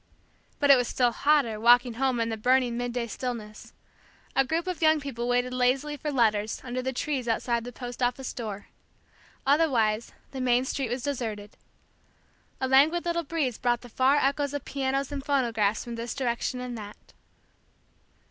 But it was still hotter, walking home in the burning midday stillness. A group of young people waited lazily for letters, under the trees outside the post office door. Otherwise the main street was deserted. A languid little breeze brought the far echoes of pianos and phonographs from this direction and that.